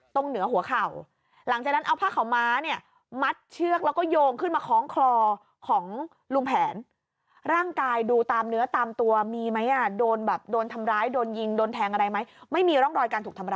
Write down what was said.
ตรงเหนือหัวเข่าหลังจากนั้นเอาผ้าข่าวม้าเนี่ย